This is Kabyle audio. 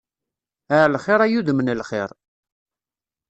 Ɛelxir ay udem n lxir.